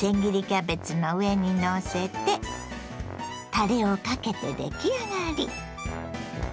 キャベツの上にのせてたれをかけて出来上がり。